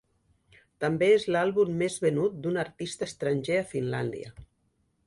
També és l'àlbum més venut d'un artista estranger a Finlàndia.